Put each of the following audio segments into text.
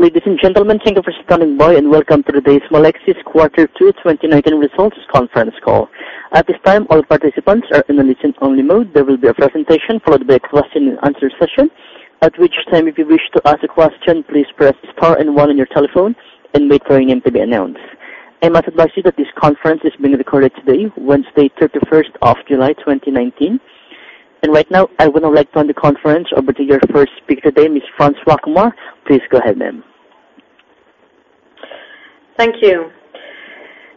Ladies and gentlemen, thank you for standing by, and welcome to today's Melexis Quarter Two 2019 Results Conference Call. At this time, all participants are in a listen-only mode. There will be a presentation followed by a question and answer session, at which time, if you wish to ask a question, please press star and one on your telephone and wait for your name to be announced. I must advise you that this conference is being recorded today, Wednesday, July 31st, 2019. Right now, I would now like to hand the conference over to your first speaker today, Ms. Françoise Chombar. Please go ahead, ma'am. Thank you.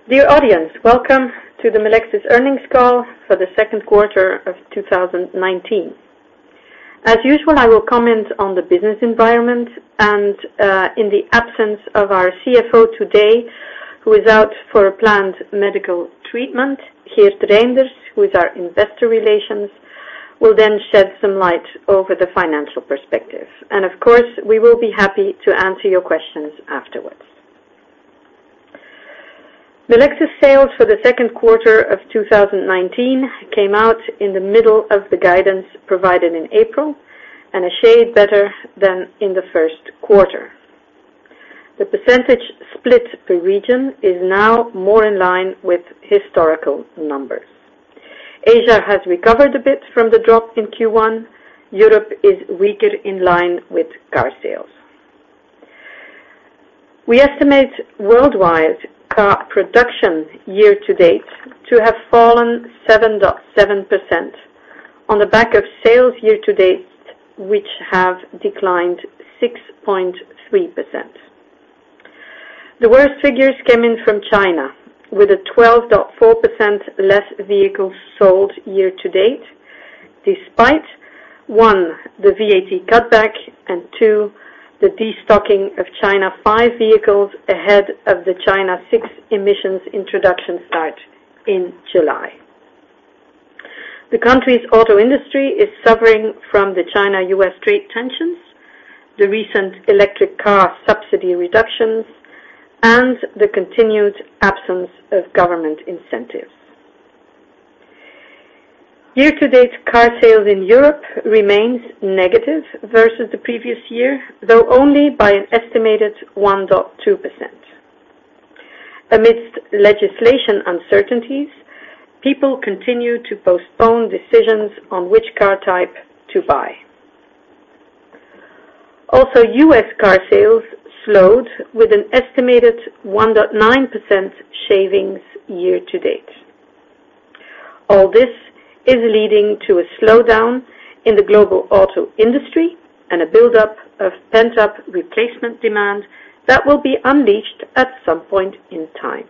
Dear audience, welcome to the Melexis earnings call for the second quarter of 2019. As usual, I will comment on the business environment and, in the absence of our CFO today, who is out for a planned medical treatment, Geert Reynders, who is our investor relations, will then shed some light over the financial perspective. Of course, we will be happy to answer your questions afterwards. Melexis sales for the second quarter of 2019 came out in the middle of the guidance provided in April and a shade better than in the first quarter. The percentage split per region is now more in line with historical numbers. Asia has recovered a bit from the drop in Q1. Europe is weaker in line with car sales. We estimate worldwide car production year-to-date to have fallen 7.7% on the back of sales year-to-date, which have declined 6.3%. The worst figures came in from China with 12.4% less vehicles sold year-to-date. Despite, one, the VAT cutback and two, the destocking of China V vehicles ahead of the China VI emissions introduction start in July. The country's auto industry is suffering from the China-U.S. trade tensions, the recent electric car subsidy reductions, and the continued absence of government incentives. Year-to-date car sales in Europe remains negative versus the previous year, though only by an estimated 1.2%. Amidst legislation uncertainties, people continue to postpone decisions on which car type to buy. Also, U.S. car sales slowed with an estimated 1.9% shavings year-to-date. All this is leading to a slowdown in the global auto industry and a buildup of pent-up replacement demand that will be unleashed at some point in time.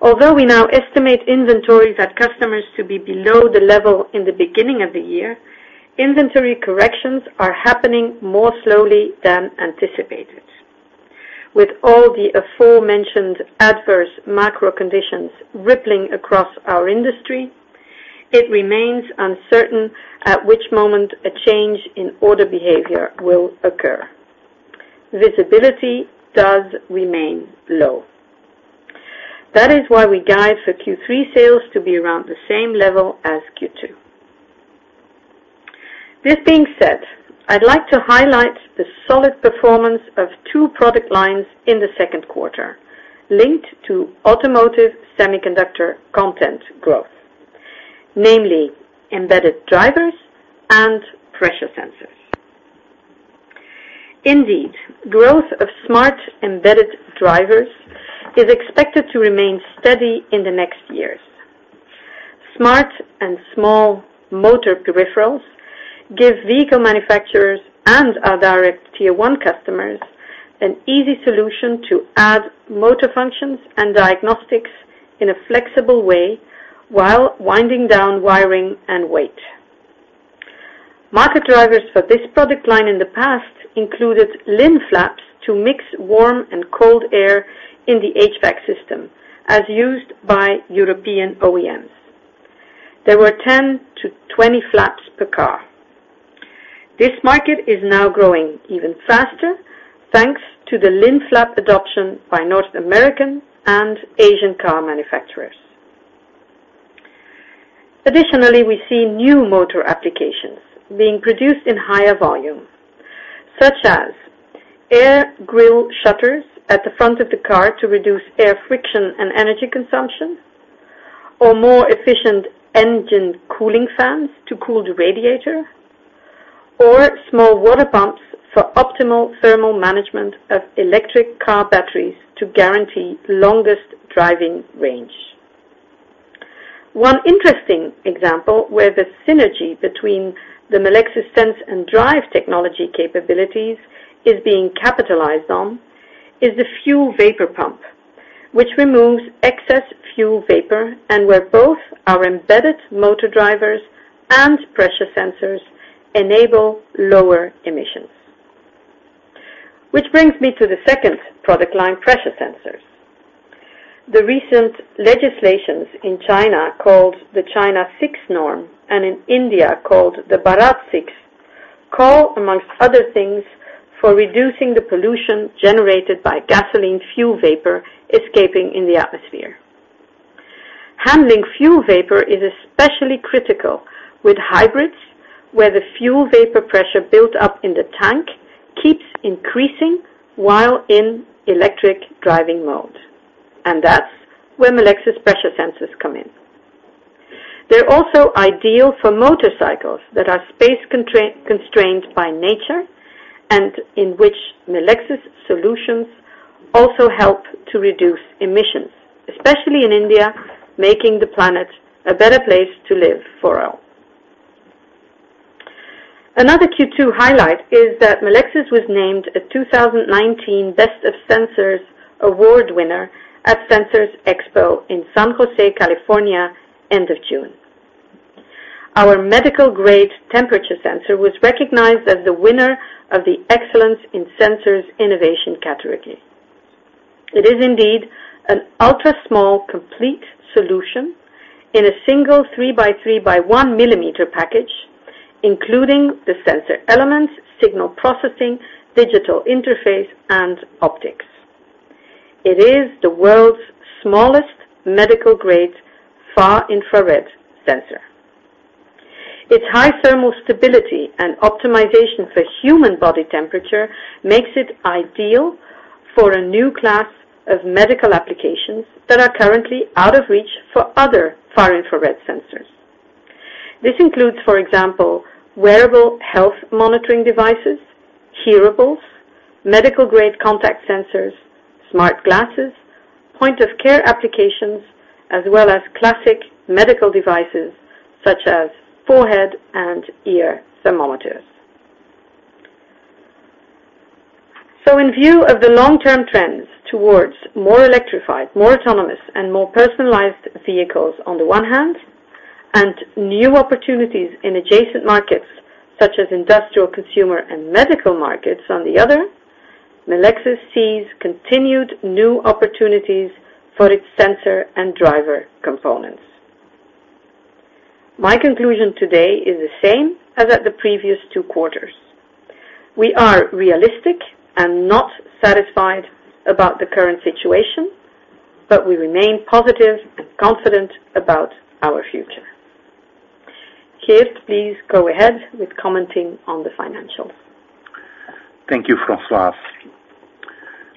Although we now estimate inventories at customers to be below the level in the beginning of the year, inventory corrections are happening more slowly than anticipated. With all the aforementioned adverse macro conditions rippling across our industry, it remains uncertain at which moment a change in order behavior will occur. Visibility does remain low. That is why we guide for Q3 sales to be around the same level as Q2. This being said, I'd like to highlight the solid performance of two product lines in the second quarter linked to automotive semiconductor content growth, namely Embedded Drivers and Pressure Sensors. Indeed, growth of smart Embedded Drivers is expected to remain steady in the next years. Smart and small motor peripherals give vehicle manufacturers and our direct tier 1 customers an easy solution to add motor functions and diagnostics in a flexible way while winding down wiring and weight. Market drivers for this product line in the past included LIN flaps to mix warm and cold air in the HVAC system, as used by European OEMs. There were 10-20 flaps per car. This market is now growing even faster, thanks to the LIN flap adoption by North American and Asian car manufacturers. Additionally, we see new motor applications being produced in higher volume, such as active grille shutters at the front of the car to reduce air friction and energy consumption, or more efficient cooling fans to cool the radiator, or small water pumps for optimal thermal management of electric car batteries to guarantee longest driving range. One interesting example where the synergy between the Melexis sense and drive technology capabilities is being capitalized on is the fuel vapor pump, which removes excess fuel vapor and where both our embedded motor drivers and pressure sensors enable lower emissions. Which brings me to the second product line, pressure sensors. The recent legislations in China, called the China VI Norm, and in India, called the Bharat VI, call, among other things, for reducing the pollution generated by gasoline fuel vapor escaping in the atmosphere. Handling fuel vapor is especially critical with hybrids, where the fuel vapor pressure built up in the tank keeps increasing while in electric driving mode. That's where Melexis pressure sensors come in. They're also ideal for motorcycles that are space-constrained by nature, and in which Melexis solutions also help to reduce emissions, especially in India, making the planet a better place to live for all. Another Q2 highlight is that Melexis was named a 2019 Best of Sensors award winner at Sensors Expo in San Jose, California, end of June. Our medical-grade temperature sensor was recognized as the winner of the Excellence in Sensors Innovation category. It is indeed an ultra-small complete solution in a single three by three by one millimeter package, including the sensor elements, signal processing, digital interface, and optics. It is the world's smallest medical-grade far-infrared sensor. Its high thermal stability and optimization for human body temperature makes it ideal for a new class of medical applications that are currently out of reach for other far-infrared sensors. This includes, for example, wearable health monitoring devices, hearables, medical-grade contact sensors, smart glasses, point-of-care applications, as well as classic medical devices such as forehead and ear thermometers. In view of the long-term trends towards more electrified, more autonomous, and more personalized vehicles on the one hand, and new opportunities in adjacent markets such as industrial, consumer, and medical markets on the other, Melexis sees continued new opportunities for its sensor and driver components. My conclusion today is the same as at the previous two quarters. We are realistic and not satisfied about the current situation, but we remain positive and confident about our future. Geert, please go ahead with commenting on the financials. Thank you, Françoise.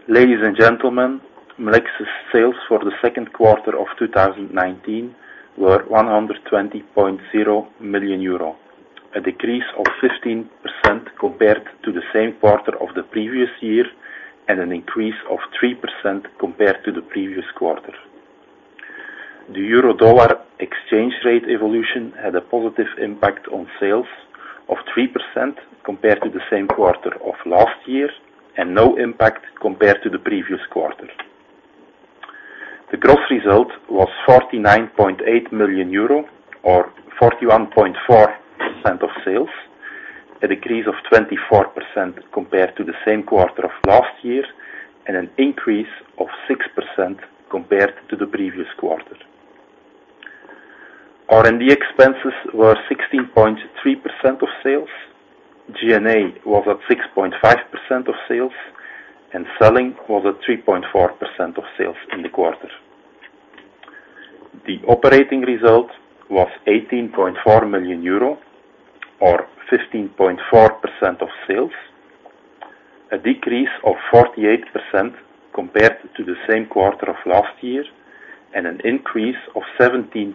Ladies and gentlemen, Melexis sales for the second quarter of 2019 were 120.0 million euro, a decrease of 15% compared to the same quarter of the previous year, and an increase of 3% compared to the previous quarter. The euro-dollar exchange rate evolution had a positive impact on sales of 3% compared to the same quarter of last year, and no impact compared to the previous quarter. The gross result was 49.8 million euro or 41.4% of sales, a decrease of 24% compared to the same quarter of last year, and an increase of 6% compared to the previous quarter. R&D expenses were 16.3% of sales. G&A was at 6.5% of sales, and selling was at 3.4% of sales in the quarter. The operating result was 18.4 million euro or 15.4% of sales, a decrease of 48% compared to the same quarter of last year, an increase of 17%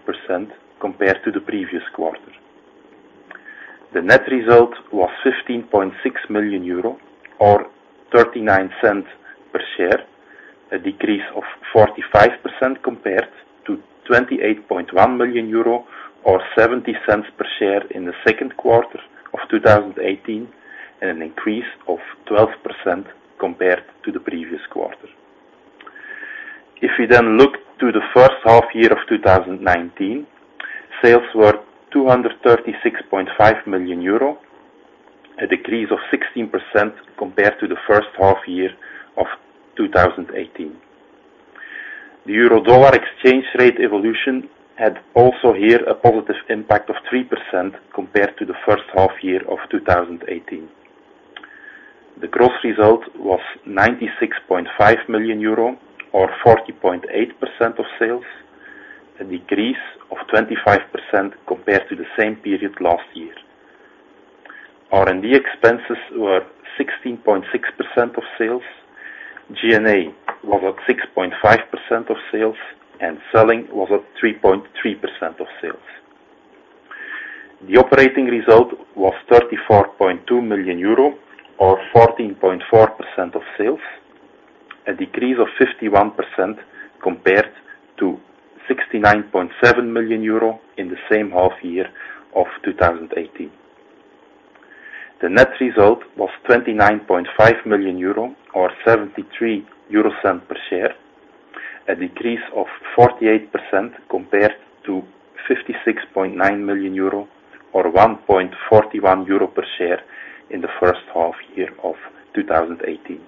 compared to the previous quarter. The net result was 15.6 million euro or 0.39 per share, a decrease of 45% compared to 28.1 million euro or 0.70 per share in the second quarter of 2018, an increase of 12% compared to the previous quarter. If we look to the first half year of 2019, sales were 236.5 million euro, a decrease of 16% compared to the first half year of 2018. The euro-dollar exchange rate evolution had also here a positive impact of 3% compared to the first half year of 2018. The gross result was 96.5 million euro or 40.8% of sales, a decrease of 25% compared to the same period last year. R&D expenses were 16.6% of sales, G&A was at 6.5% of sales, and selling was at 3.3% of sales. The operating result was 34.2 million euro or 14.4% of sales, a decrease of 51% compared to 69.7 million euro in the same half year of 2018. The net result was 29.5 million euro or 0.73 per share, a decrease of 48% compared to 56.9 million euro or 1.41 euro per share in the first half year of 2018.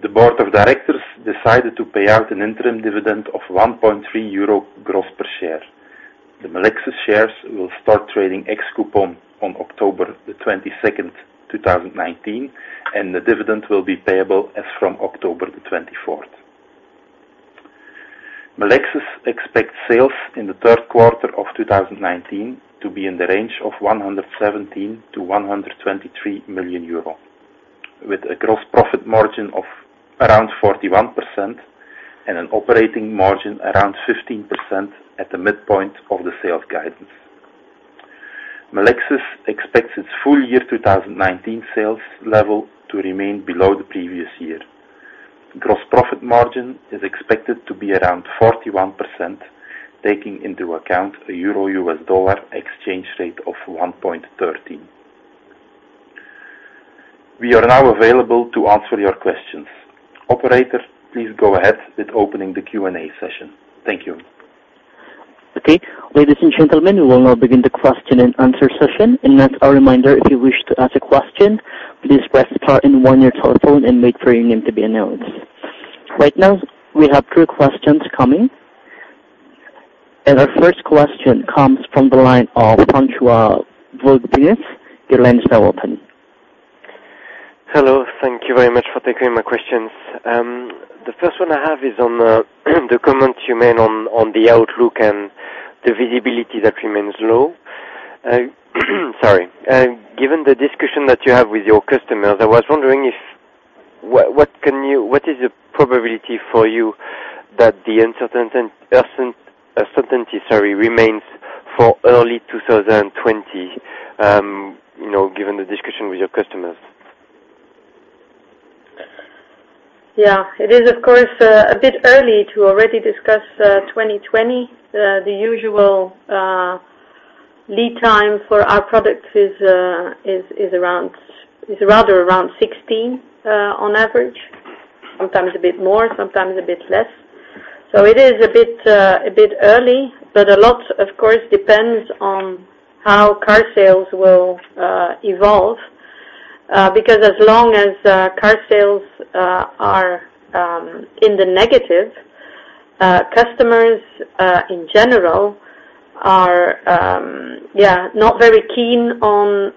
The board of directors decided to pay out an interim dividend of 1.3 euro gross per share. The Melexis shares will start trading ex-coupon on October the 22nd, 2019, and the dividend will be payable as from October the 24th. Melexis expects sales in the third quarter of 2019 to be in the range of 117 million-123 million euro, with a gross profit margin of around 41% and an operating margin around 15% at the midpoint of the sales guidance. Melexis expects its full year 2019 sales level to remain below the previous year. Gross profit margin is expected to be around 41%, taking into account a euro-US dollar exchange rate of 1.13. We are now available to answer your questions. Operator, please go ahead with opening the Q&A session. Thank you. Okay. Ladies and gentlemen, we will now begin the question and answer session. As a reminder, if you wish to ask a question, please press star one on your telephone and wait for your name to be announced. Right now, we have two questions coming. Our first question comes from the line of François-Xavier Bouvignies. Your line is now open. Hello. Thank you very much for taking my questions. The first one I have is on the comment you made on the outlook and the visibility that remains low. Sorry. Given the discussion that you have with your customers, I was wondering what is the probability for you that the uncertainty remains for early 2020, given the discussion with your customers? Yeah. It is, of course, a bit early to already discuss 2020. The usual lead time for our products is rather around 16 on average, sometimes a bit more, sometimes a bit less. It is a bit early, but a lot, of course, depends on how car sales will evolve. Because as long as car sales are in the negative, customers, in general, are not very keen on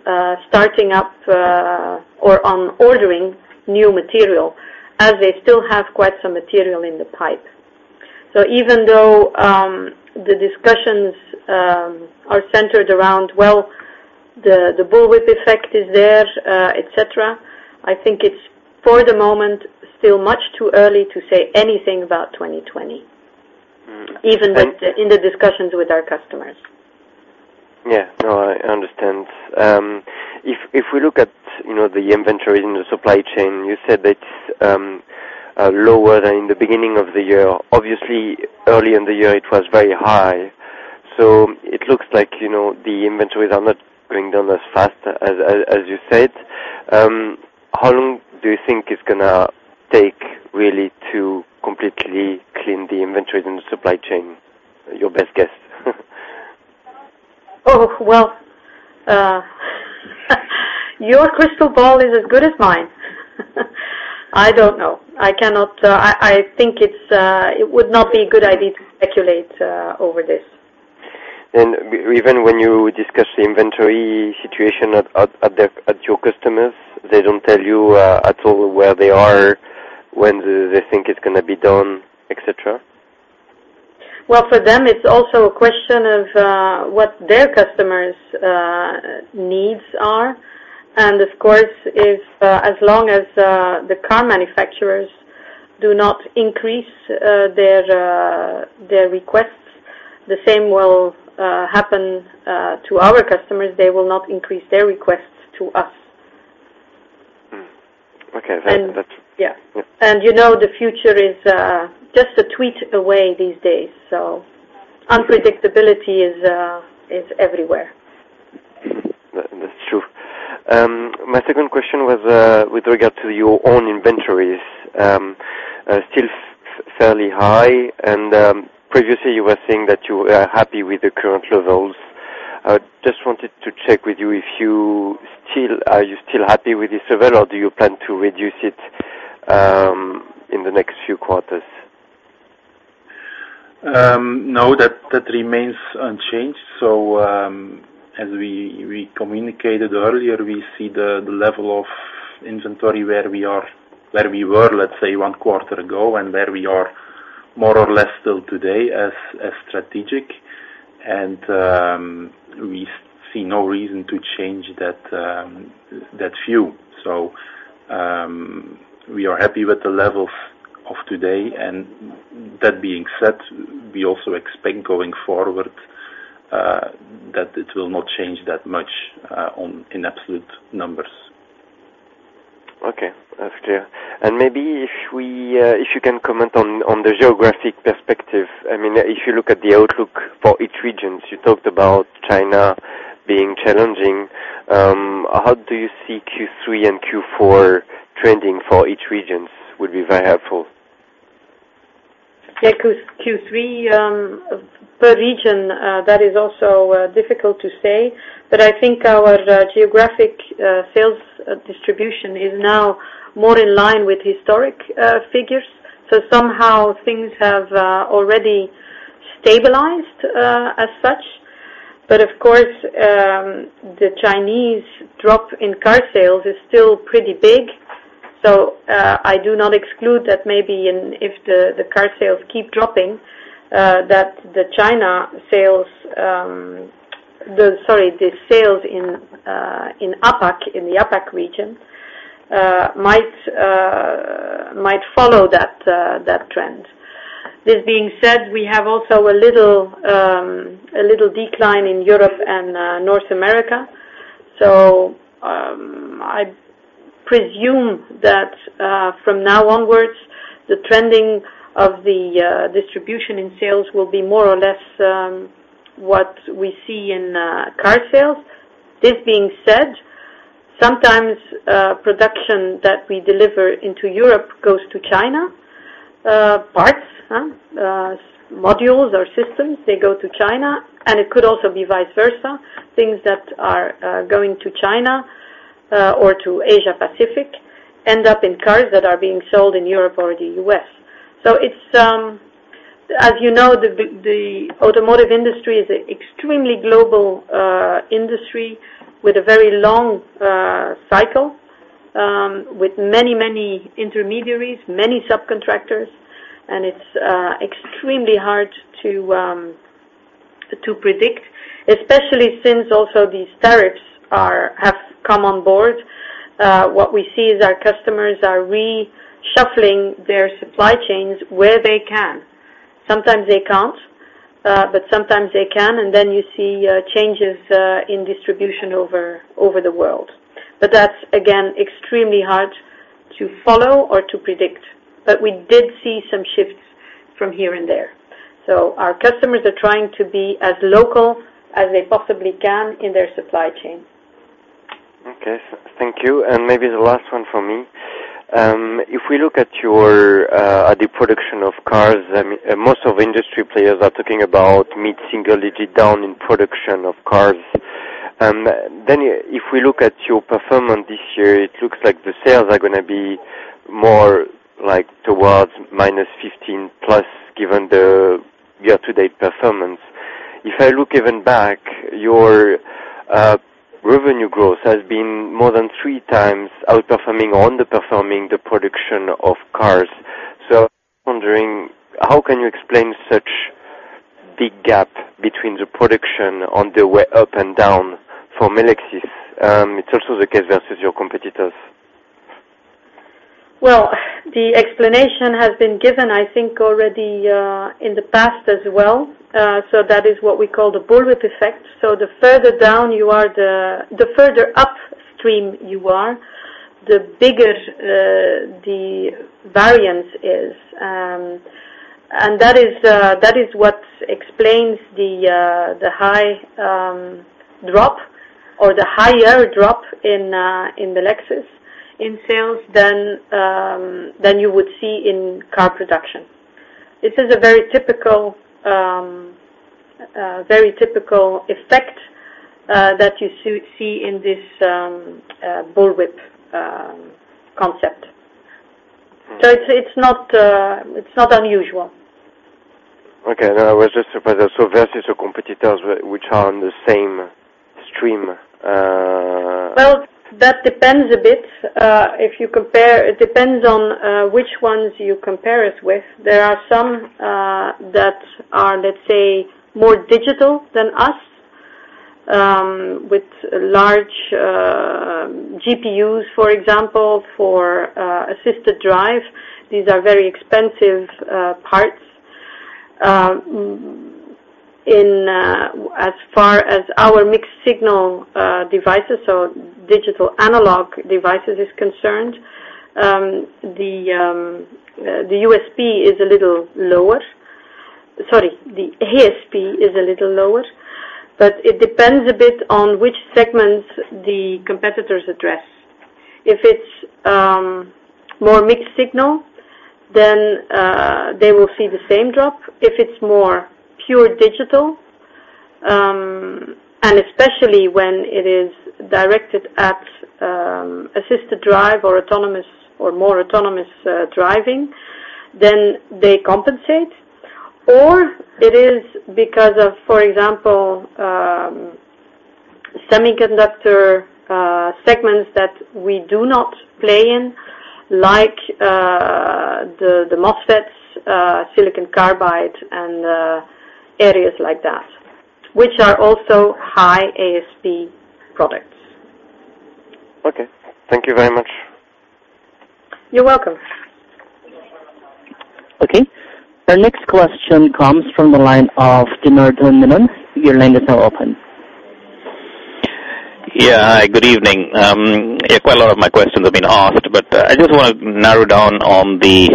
starting up or on ordering new material, as they still have quite some material in the pipe. Even though the discussions are centered around, well, the bullwhip effect is there, et cetera, I think it's, for the moment, still much too early to say anything about 2020. Even in the discussions with our customers. Yeah. No, I understand. If we look at the inventory in the supply chain, you said that it's lower than in the beginning of the year. Obviously, early in the year, it was very high. It looks like the inventories are not going down as fast as you said. How long do you think it's going to take, really, to completely clean the inventories in the supply chain? Your best guess. Oh, well, your crystal ball is as good as mine. I don't know. I think it would not be a good idea to speculate over this. Even when you discuss the inventory situation at your customers, they don't tell you at all where they are, when they think it's going to be done, et cetera? Well, for them, it's also a question of what their customers' needs are. Of course, as long as the car manufacturers do not increase their requests, the same will happen to our customers. They will not increase their requests to us. Okay. Yeah. You know the future is just a tweet away these days. Unpredictability is everywhere. That's true. My second question was with regard to your own inventories. Still fairly high, and previously you were saying that you are happy with the current levels. Just wanted to check with you, are you still happy with this level, or do you plan to reduce it in the next few quarters? No, that remains unchanged. As we communicated earlier, we see the level of inventory where we were, let's say, one quarter ago and where we are more or less still today as strategic. We see no reason to change that view. We are happy with the levels of today. That being said, we also expect going forward that it will not change that much in absolute numbers. Okay, that's clear. Maybe if you can comment on the geographic perspective. If you look at the outlook for each region, you talked about China being challenging. How do you see Q3 and Q4 trending for each region would be very helpful. Yeah. Q3 per region, that is also difficult to say, but I think our geographic sales distribution is now more in line with historic figures. Somehow things have already stabilized as such. Of course, the Chinese drop in car sales is still pretty big. I do not exclude that maybe if the car sales keep dropping, that the sales in the APAC region might follow that trend. This being said, we have also a little decline in Europe and North America. I presume that from now onwards, the trending of the distribution in sales will be more or less what we see in car sales. This being said, sometimes production that we deliver into Europe goes to China. Parts, modules or systems, they go to China, and it could also be vice versa. Things that are going to China or to Asia Pacific end up in cars that are being sold in Europe or the U.S. As you know, the automotive industry is extremely global industry with a very long cycle, with many intermediaries, many subcontractors, and it's extremely hard to predict. Especially since also these tariffs have come on board. What we see is our customers are reshuffling their supply chains where they can. Sometimes they can't, but sometimes they can, and then you see changes in distribution over the world. That's, again, extremely hard to follow or to predict. We did see some shifts from here and there. Our customers are trying to be as local as they possibly can in their supply chain. Okay. Thank you. Maybe the last one from me. If we look at the production of cars, most of industry players are talking about mid-single digit down in production of cars. If we look at your performance this year, it looks like the sales are going to be more towards -15+, given the year-to-date performance. If I look even back, your revenue growth has been more than 3 times outperforming or underperforming the production of cars. I'm wondering, how can you explain such big gap between the production on the way up and down for Melexis? It's also the case versus your competitors. Well, the explanation has been given, I think, already in the past as well. That is what we call the bullwhip effect. The further upstream you are, the bigger the variance is. That is what explains the high drop or the higher drop in Melexis in sales than you would see in car production. This is a very typical effect that you see in this bullwhip concept. It's not unusual. Okay. No, I was just surprised. Versus your competitors which are on the same stream- Well, that depends a bit. It depends on which ones you compare us with. There are some that are, let's say, more digital than us, with large GPUs, for example, for assisted drive. These are very expensive parts. In as far as our mixed signal devices or digital analog devices is concerned, the USP is a little lower. Sorry, the ASP is a little lower. It depends a bit on which segments the competitors address. If it's more mixed signal, then they will see the same drop. If it's more pure digital, and especially when it is directed at assisted drive or more autonomous driving, then they compensate. It is because of, for example, semiconductor segments that we do not play in, like the MOSFETs, silicon carbide, and areas like that, which are also high ASP products. Okay. Thank you very much. You're welcome. Okay. Our next question comes from the line of Dhimir Dhimen. Your line is now open. Yeah. Hi, good evening. Yeah, quite a lot of my questions have been asked. I just want to narrow down on the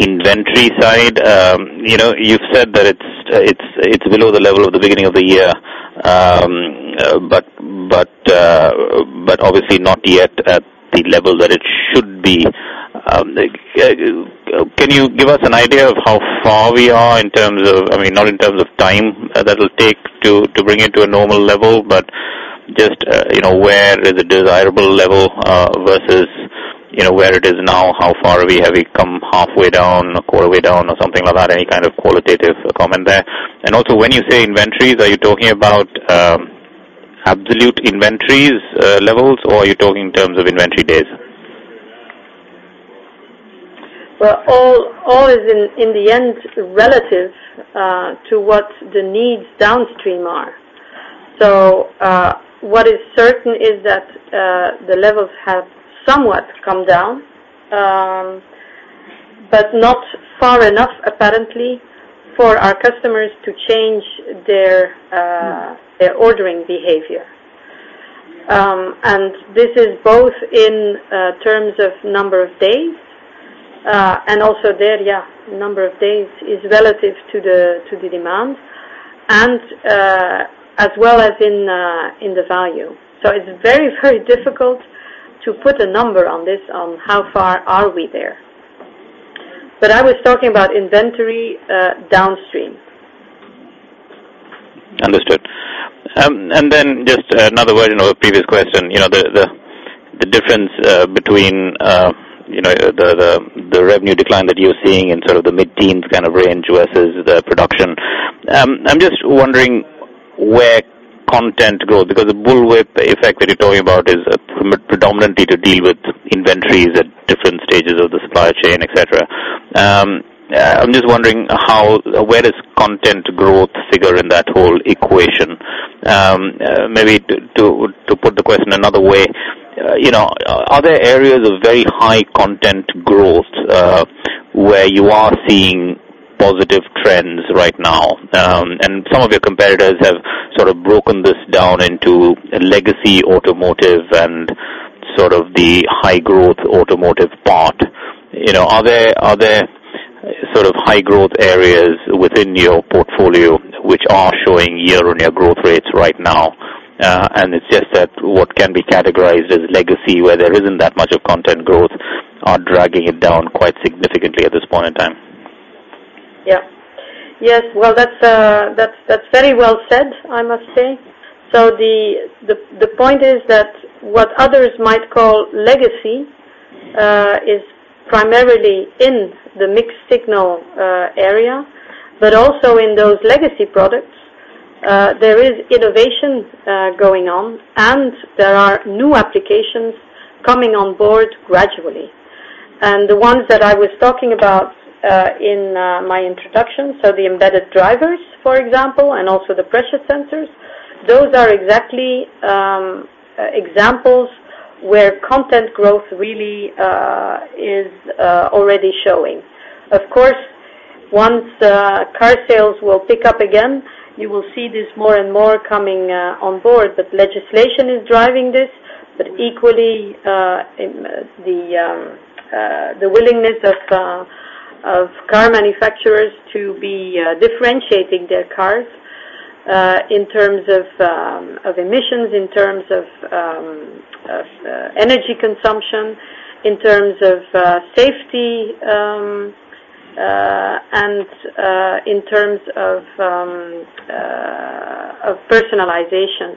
inventory side. You've said that it's below the level of the beginning of the year, but obviously not yet at the level that it should be. Can you give us an idea of how far we are in terms of, not in terms of time that it'll take to bring it to a normal level, Just where is the desirable level versus where it is now? How far have we come? Halfway down or quarter way down or something like that. Any kind of qualitative comment there? Also, when you say inventories, are you talking about absolute inventories levels or are you talking in terms of inventory days? Well, all is in the end relative to what the needs downstream are. What is certain is that the levels have somewhat come down, but not far enough, apparently, for our customers to change their ordering behavior. This is both in terms of number of days and also the area. Number of days is relative to the demand and as well as in the value. It's very, very difficult to put a number on this, on how far are we there. I was talking about inventory downstream. Understood. Just another word on our previous question. The difference between the revenue decline that you're seeing in sort of the mid-teens kind of range versus the production. I'm just wondering where content growth, because the bullwhip effect that you're talking about is predominantly to deal with inventories at different stages of the supply chain, et cetera. I'm just wondering, where does content growth figure in that whole equation? Maybe to put the question another way, are there areas of very high content growth, where you are seeing positive trends right now? Some of your competitors have sort of broken this down into a legacy automotive and sort of the high growth automotive part. Are there sort of high growth areas within your portfolio which are showing year-on-year growth rates right now? It's just that what can be categorized as legacy, where there isn't that much of content growth, are dragging it down quite significantly at this point in time. Yeah. Yes. Well, that's very well said, I must say. The point is that what others might call legacy, is primarily in the mixed signal area, but also in those legacy products, there is innovation going on, and there are new applications coming on board gradually. The ones that I was talking about in my introduction, the embedded drivers, for example, and also the pressure sensors, those are exactly examples where content growth really is already showing. Of course, once car sales will pick up again, you will see this more and more coming on board. Legislation is driving this, but equally, the willingness of car manufacturers to be differentiating their cars in terms of emissions, in terms of energy consumption, in terms of safety, and in terms of personalization.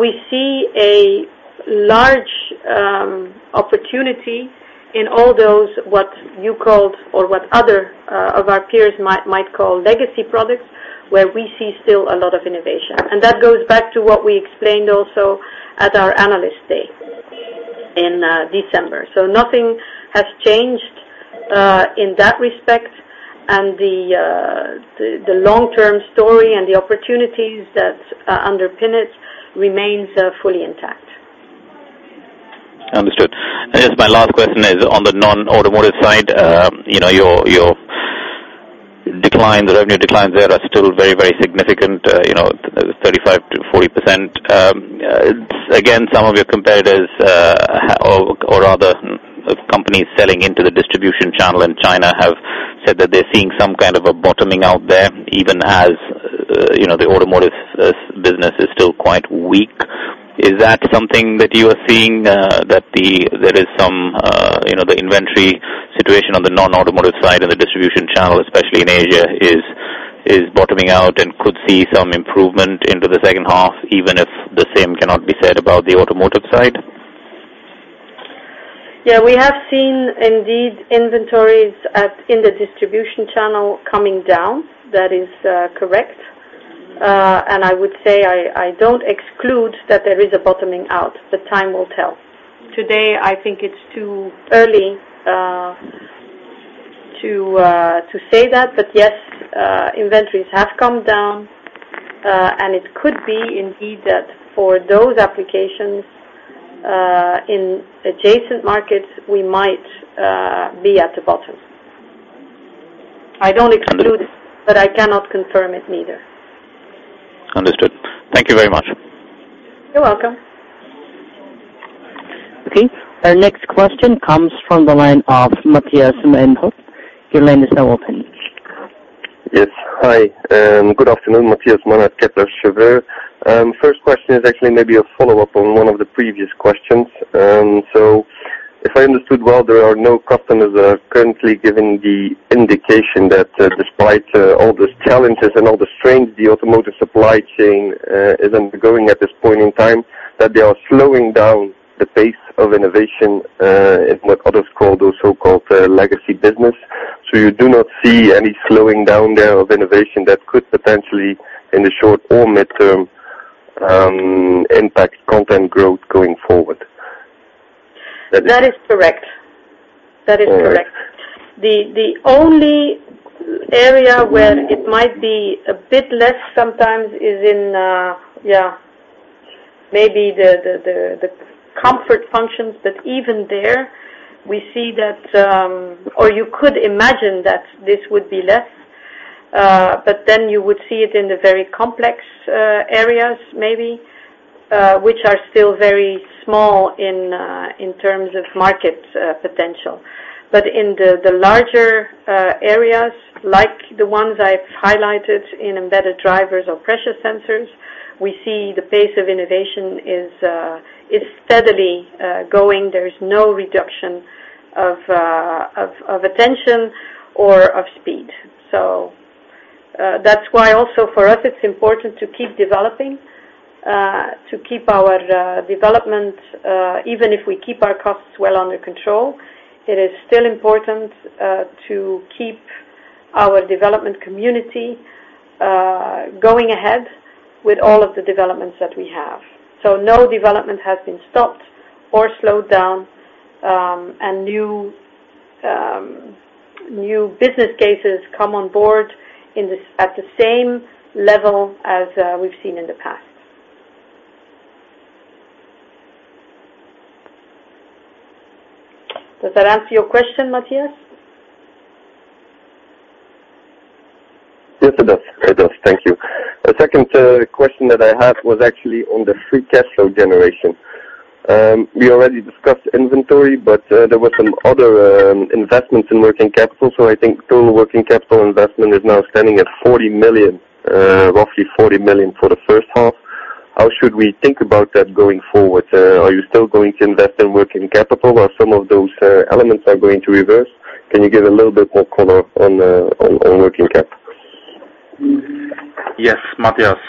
We see a large opportunity in all those, what you called or what other of our peers might call legacy products, where we see still a lot of innovation. That goes back to what we explained also at our Analyst Day in December. Nothing has changed in that respect, and the long-term story and the opportunities that underpin it remains fully intact. Understood. I guess my last question is on the non-automotive side. Your revenue declines there are still very, very significant, 35% to 40%. Some of your competitors or other companies selling into the distribution channel in China have said that they're seeing some kind of a bottoming out there, even as the automotive business is still quite weak. Is that something that you are seeing, that there is the inventory situation on the non-automotive side and the distribution channel, especially in Asia, is bottoming out and could see some improvement into the second half, even if the same cannot be said about the automotive side? Yeah, we have seen indeed inventories in the distribution channel coming down. That is correct. I would say I don't exclude that there is a bottoming out. Time will tell. Today, I think it's too early to say that. Yes, inventories have come down. It could be indeed that for those applications, in adjacent markets, we might be at the bottom. Understood I cannot confirm it neither. Understood. Thank you very much. You're welcome. Okay. Our next question comes from the line of Matthias Menhorn. Your line is now open. Yes. Hi. Good afternoon, Matthias Menhorn, Kepler Cheuvreux. First question is actually maybe a follow-up on one of the previous questions. If I understood well, there are no customers that are currently giving the indication that despite all those challenges and all the strains the automotive supply chain is undergoing at this point in time, that they are slowing down the pace of innovation in what others call those so-called legacy business. You do not see any slowing down there of innovation that could potentially, in the short or midterm, impact content growth going forward. That is correct. The only area where it might be a bit less sometimes is in maybe the comfort functions, but even there, or you could imagine that this would be less, but then you would see it in the very complex areas, maybe, which are still very small in terms of market potential. In the larger areas, like the ones I've highlighted in embedded drivers or pressure sensors, we see the pace of innovation is steadily going. There is no reduction of attention or of speed. That's why also for us, it's important to keep developing, to keep our development. Even if we keep our costs well under control, it is still important to keep our development community going ahead with all of the developments that we have. No development has been stopped or slowed down, and new business cases come on board at the same level as we’ve seen in the past. Does that answer your question, Matthias? Yes, it does. Thank you. The second question that I had was actually on the free cash flow generation. We already discussed inventory, but there were some other investments in working capital. I think total working capital investment is now standing at roughly 40 million for the first half. How should we think about that going forward? Are you still going to invest in working capital or some of those elements are going to reverse? Can you give a little bit more color on working capital? Yes, Matthias.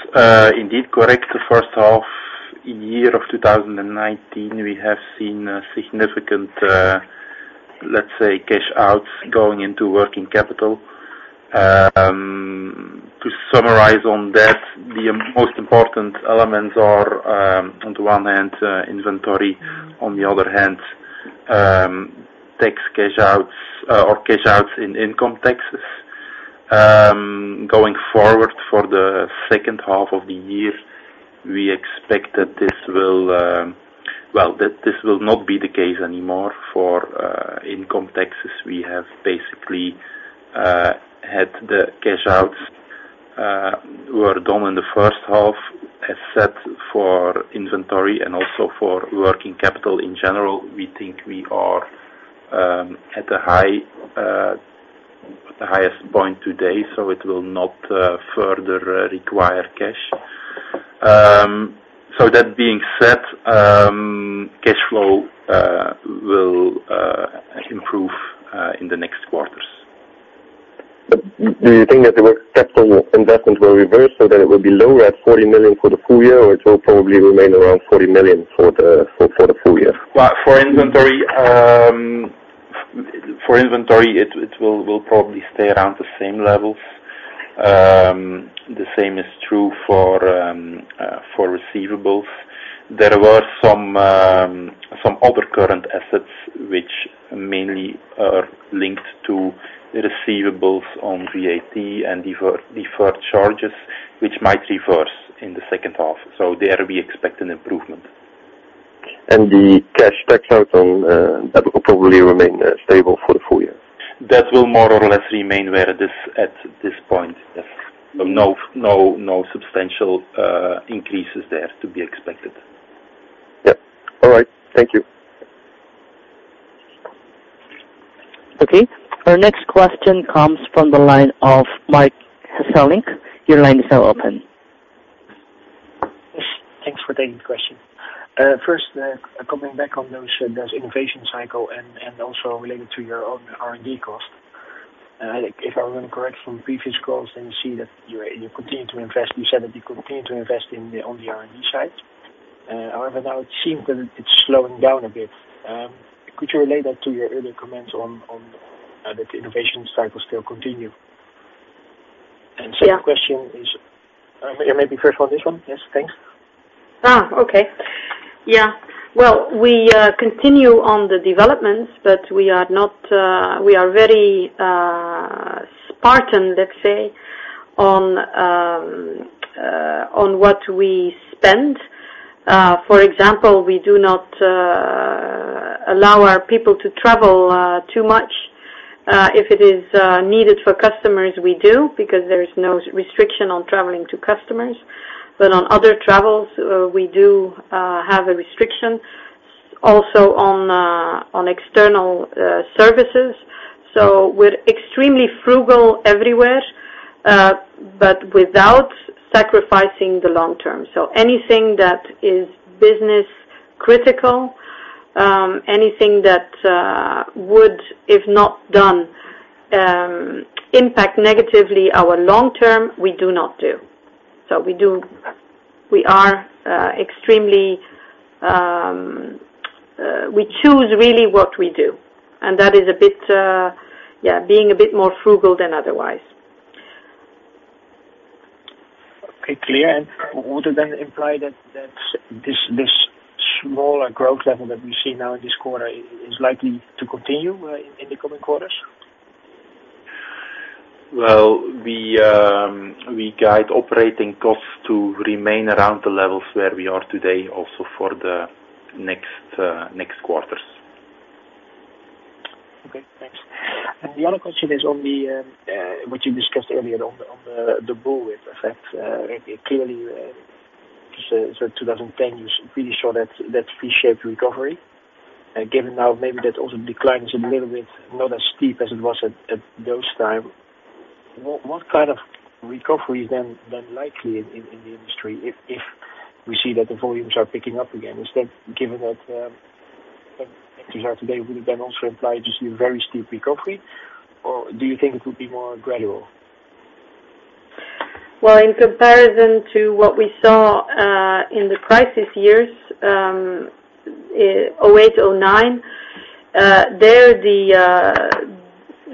Indeed, correct. The first half in year of 2019, we have seen a significant, let's say, cash outs going into working capital. To summarize on that, the most important elements are, on the one hand, inventory, on the other hand, tax cash outs or cash outs in income taxes. Going forward for the second half of the year, we expect that this will not be the case anymore for income taxes. We have basically had the cash outs were done in the first half, except for inventory and also for working capital in general. We think we are at the highest point today, so it will not further require cash. That being said, cash flow will improve in the next quarters. Do you think that the working capital investments will reverse so that it will be lower at 40 million for the full year, or it will probably remain around 40 million for the full year? For inventory, it will probably stay around the same levels. The same is true for receivables. There were some other current assets which mainly are linked to receivables on VAT and deferred charges, which might reverse in the second half. There we expect an improvement. The cash tax out on that will probably remain stable for the full year? That will more or less remain where it is at this point. Yes. No substantial increases there to be expected. Yep. All right. Thank you. Okay. Our next question comes from the line of Marc Hesselink. Your line is now open. Yes, thanks for taking the question. First, coming back on those innovation cycle and also related to your R&D cost. If I remember correct from previous calls, then you see that you continue to invest, you said that you continue to invest on the R&D side. However, now it seems that it's slowing down a bit. Could you relate that to your earlier comments on that innovation cycle still continue? Second question is-- Maybe first one, this one. Yes, thanks. Okay. Yeah. We continue on the developments, but we are very spartan, let's say, on what we spend. For example, we do not allow our people to travel too much. If it is needed for customers, we do, because there is no restriction on traveling to customers. On other travels, we do have a restriction also on external services. We're extremely frugal everywhere. Without sacrificing the long term. Anything that is business critical, anything that would, if not done, impact negatively our long term, we do not do. We choose really what we do. That is being a bit more frugal than otherwise. Okay, clear. Would it then imply that this smaller growth level that we see now in this quarter is likely to continue in the coming quarters? Well, we guide operating costs to remain around the levels where we are today also for the next quarters. Okay, thanks. The other question is on what you discussed earlier on the bullwhip effect. Clearly, 2010, you really saw that V-shaped recovery. Given now maybe that also declines a little bit, not as steep as it was at those times. What kind of recovery then likely in the industry if we see that the volumes are picking up again, instead given that things are today, would it then also imply to see a very steep recovery, or do you think it will be more gradual? Well, in comparison to what we saw in the crisis years, 2008, 2009,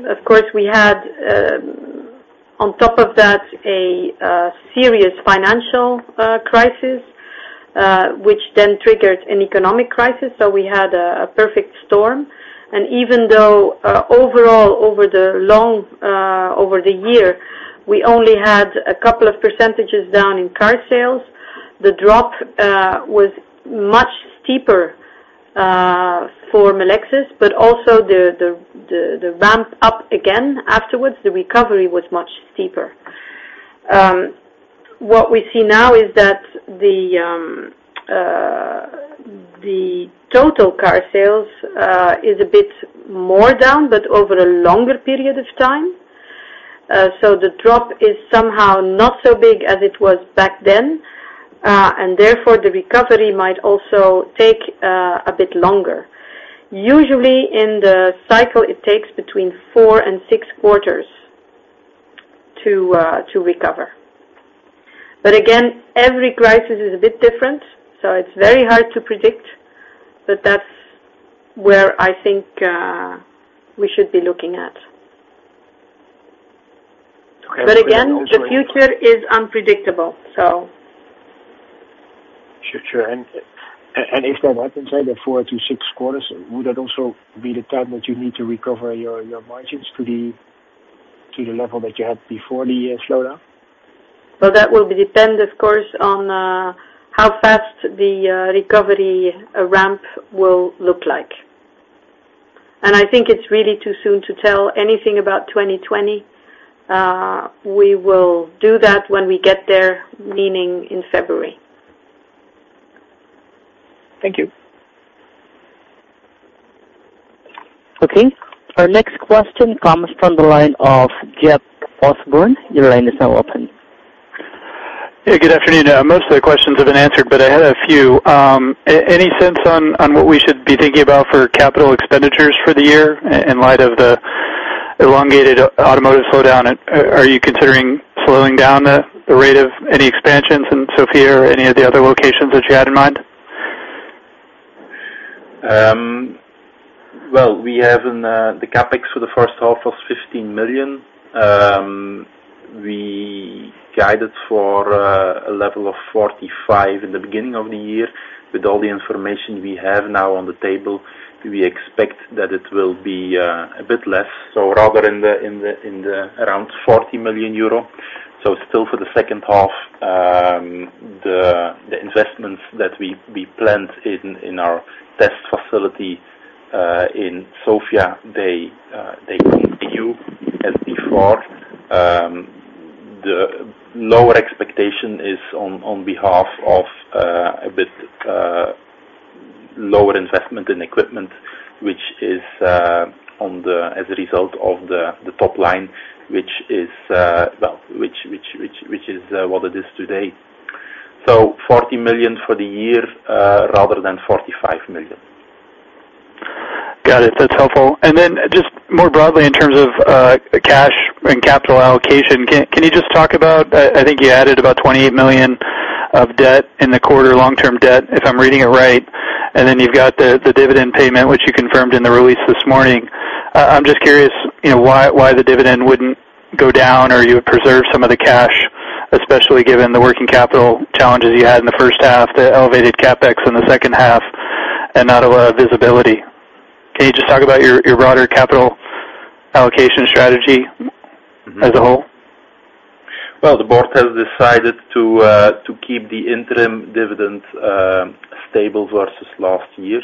of course we had on top of that a serious financial crisis, which triggered an economic crisis. We had a perfect storm. Even though overall over the year, we only had a couple of percentages down in car sales. The drop was much steeper for Melexis, but also the ramp up again afterwards, the recovery was much steeper. What we see now is that the total car sales is a bit more down but over a longer period of time. The drop is somehow not so big as it was back then. Therefore, the recovery might also take a bit longer. Usually in the cycle, it takes between four and six quarters to recover. Again, every crisis is a bit different, so it's very hard to predict, but that's where I think we should be looking at. Okay. Again, the future is unpredictable. Sure. If that happens in the four to six quarters, would that also be the time that you need to recover your margins to the level that you had before the slowdown? That will depend of course on how fast the recovery ramp will look like. I think it's really too soon to tell anything about 2020. We will do that when we get there, meaning in February. Thank you. Okay. Our next question comes from the line of Jeff Osborne. Your line is now open. Hey, good afternoon. Most of the questions have been answered, but I had a few. Any sense on what we should be thinking about for capital expenditures for the year in light of the elongated automotive slowdown? Are you considering slowing down the rate of any expansions in Sofia or any of the other locations that you had in mind? Well, we have the CapEx for the first half was 15 million. We guided for a level of 45 million in the beginning of the year. With all the information we have now on the table, we expect that it will be a bit less, so rather around 40 million euro. Still for the second half, the investments that we planned in our test facility in Sofia, they continue as before. The lower expectation is on behalf of a bit lower investment in equipment, which is as a result of the top line, which is what it is today. EUR 40 million for the year, rather than EUR 45 million. Got it. That's helpful. Just more broadly in terms of cash and capital allocation, can you just talk about, I think you added about EUR 28 million of debt in the quarter, long-term debt, if I'm reading it right, and then you've got the dividend payment, which you confirmed in the release this morning. I'm just curious why the dividend wouldn't go down or you would preserve some of the cash, especially given the working capital challenges you had in the first half, the elevated CapEx in the second half, and not a lot of visibility. Can you just talk about your broader capital allocation strategy as a whole? Well, the board has decided to keep the interim dividend stable versus last year.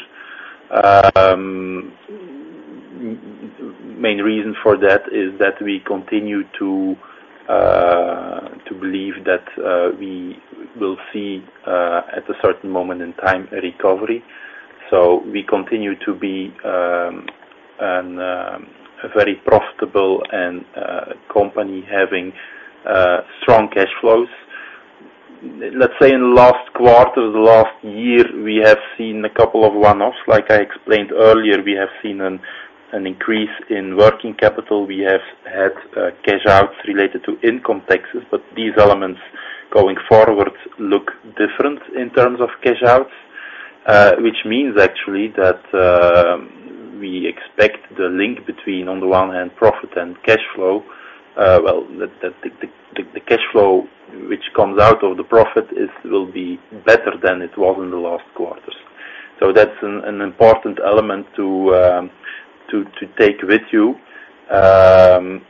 Main reason for that is that we continue to believe that we will see at a certain moment in time, a recovery. We continue to be a very profitable company having strong cash flows. Let's say in the last quarter, the last year, we have seen a couple of one-offs. Like I explained earlier, we have seen an increase in working capital. We have had cash outs related to income taxes, these elements going forward look different in terms of cash outs, which means actually that we expect the link between, on the one hand, profit and cash flow. Well, the cash flow which comes out of the profit will be better than it was in the last quarters. That's an important element to take with you. On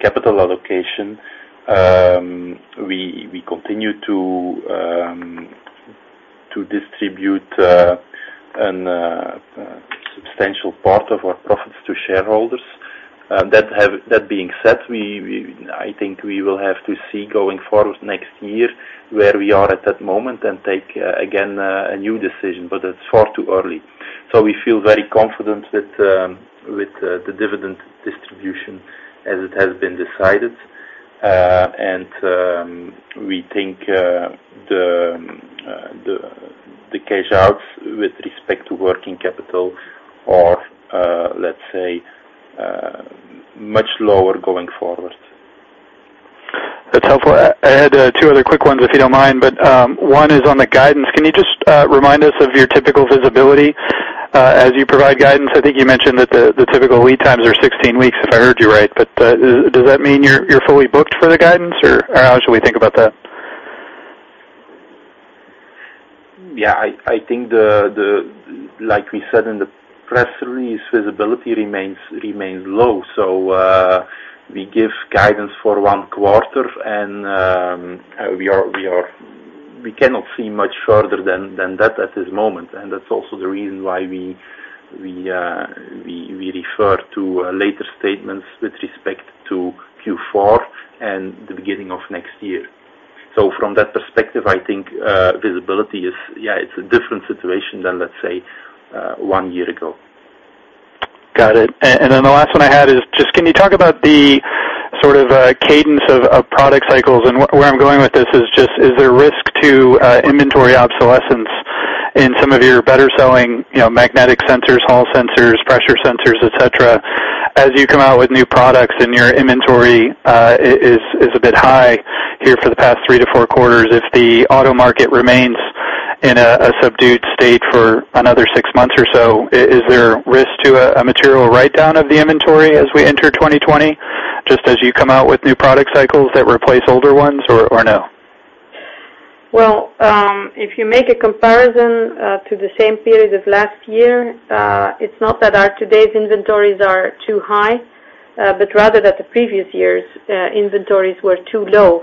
capital allocation, we continue to distribute a substantial part of our profits to shareholders. That being said, I think we will have to see going forward next year where we are at that moment and take again, a new decision, but it's far too early. We feel very confident with the dividend distribution as it has been decided. We think the cash outs with respect to working capital are, let's say, much lower going forward. That's helpful. I had two other quick ones, if you don't mind. One is on the guidance. Can you just remind us of your typical visibility, as you provide guidance? I think you mentioned that the typical lead times are 16 weeks, if I heard you right. Does that mean you're fully booked for the guidance or how should we think about that? Yeah, I think like we said in the press release, visibility remains low. We give guidance for one quarter and we cannot see much further than that at this moment. That's also the reason why we refer to later statements with respect to Q4 and the beginning of next year. From that perspective, I think, visibility is a different situation than, let's say, one year ago. Got it. Then the last one I had is just can you talk about the sort of cadence of product cycles? Where I'm going with this is there a risk to inventory obsolescence in some of your better selling magnetic sensors, hall sensors, pressure sensors, et cetera? As you come out with new products and your inventory is a bit high here for the past 3 to 4 quarters, if the auto market remains in a subdued state for another 6 months or so, is there risk to a material write-down of the inventory as we enter 2020? As you come out with new product cycles that replace older ones or no? If you make a comparison to the same period of last year, it's not that our today's inventories are too high, but rather that the previous year's inventories were too low.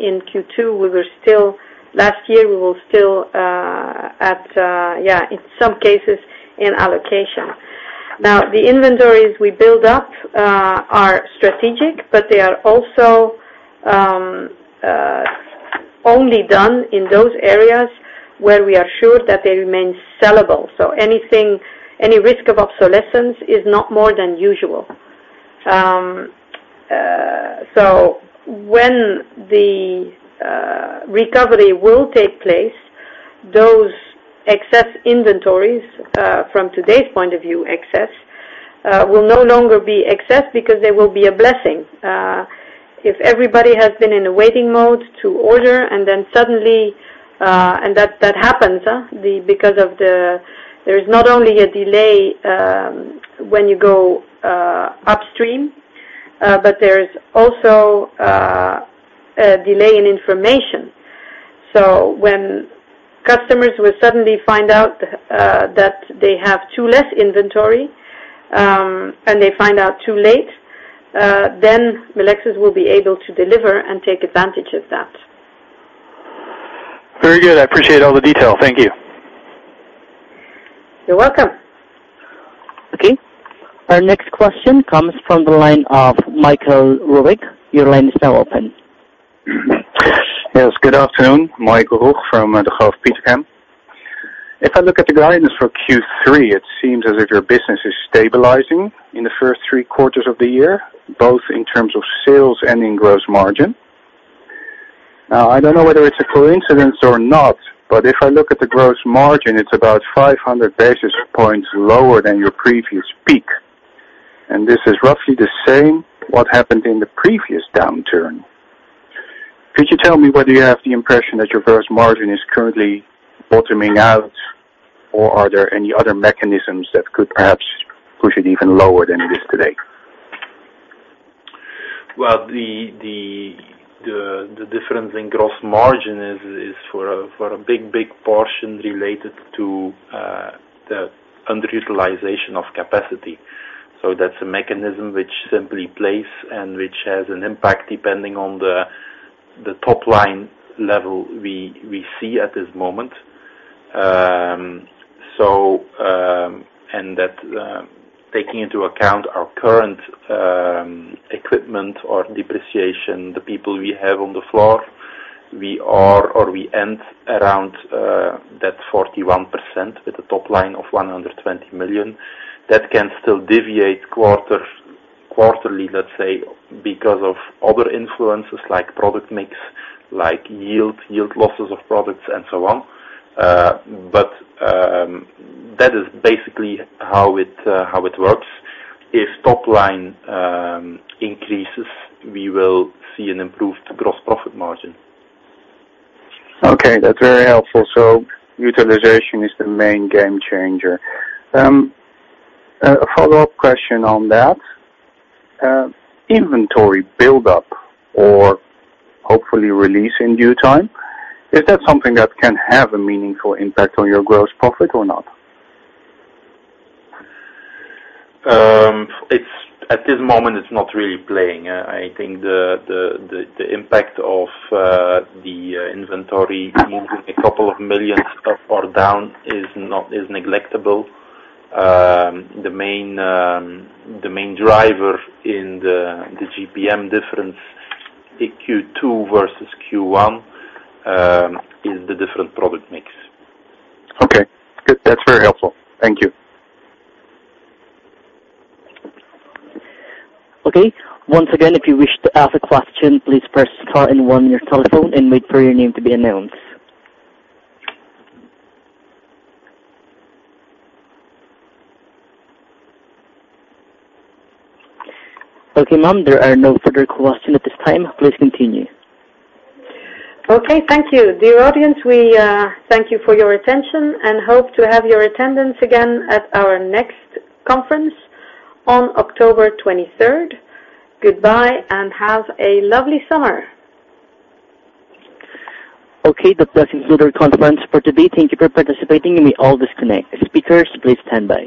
In Q2 last year, we were still at, in some cases, in allocation. Now, the inventories we build up are strategic, but they are also only done in those areas where we are sure that they remain sellable. Any risk of obsolescence is not more than usual. When the recovery will take place, those excess inventories, from today's point of view, excess, will no longer be excess because they will be a blessing. If everybody has been in a waiting mode to order and then suddenly and that happens because there is not only a delay when you go upstream, but there is also a delay in information. When customers will suddenly find out that they have too less inventory, and they find out too late, then Melexis will be able to deliver and take advantage of that. Very good. I appreciate all the detail. Thank you. You're welcome. Okay. Our next question comes from the line of Michael Roeg. Your line is now open. Yes. Good afternoon, Michael Roeg from the Degroof Petercam. If I look at the guidance for Q3, it seems as if your business is stabilizing in the first three quarters of the year, both in terms of sales and in gross margin. I don't know whether it's a coincidence or not, but if I look at the gross margin, it's about 500 basis points lower than your previous peak, and this is roughly the same what happened in the previous downturn. Could you tell me whether you have the impression that your gross margin is currently bottoming out, or are there any other mechanisms that could perhaps push it even lower than it is today? The difference in gross margin is for a big portion related to the underutilization of capacity. That's a mechanism which simply plays and which has an impact depending on the top-line level we see at this moment. That taking into account our current equipment or depreciation, the people we have on the floor, we are or we end around that 41% with a top line of 120 million. That can still deviate quarterly, let's say, because of other influences like product mix, like yield losses of products, and so on. That is basically how it works. If top line increases, we will see an improved gross profit margin. Okay, that's very helpful. Utilization is the main game changer. A follow-up question on that. Inventory build-up or hopefully release in due time, is that something that can have a meaningful impact on your gross profit or not? At this moment, it's not really playing. I think the impact of the inventory moving a couple of millions up or down is negligible. The main driver in the GPM difference in Q2 versus Q1 is the different product mix. Okay. Good. That's very helpful. Thank you. Okay. Once again, if you wish to ask a question, please press star and one on your telephone and wait for your name to be announced. Okay, ma'am, there are no further questions at this time. Please continue. Okay. Thank you. Dear audience, we thank you for your attention and hope to have your attendance again at our next conference on October 23rd. Goodbye, and have a lovely summer. Okay. That does conclude our conference for today. Thank you for participating and you may all disconnect. Speakers, please stand by.